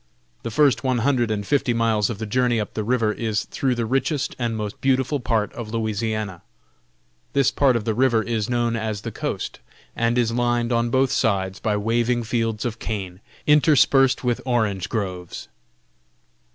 The first one hundred and fifty miles of the journey up the river is though the richest and most beautiful part of Louisiana. This part of the river is known as the coast, and is lined on both sides by waving fields of cane, interspersed with orange groves.